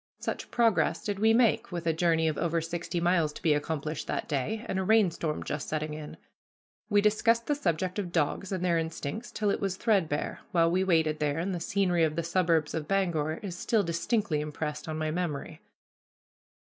Such progress did we make, with a journey of over sixty miles to be accomplished that day, and a rainstorm just setting in. We discussed the subject of dogs and their instincts till it was threadbare, while we waited there, and the scenery of the suburbs of Bangor is still distinctly impressed on my memory.